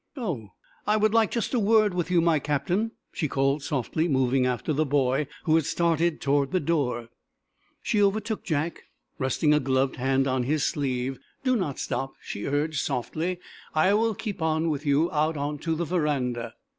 "Oh, I would like just a word with you, my Captain," she called softly, moving after the boy, who had started toward the door. She overtook Jack, resting a gloved hand on his sleeve. "Do not stop," she urged, softly. "I will keep on with you, out onto the veranda."